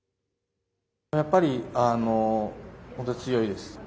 やっぱり本当強いです。